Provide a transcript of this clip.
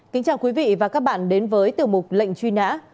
kính chào quý vị và các bạn đến với tiểu mục lệnh truy nã